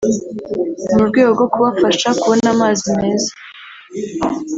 mu rwego rwo kubafasha kubona amazi meza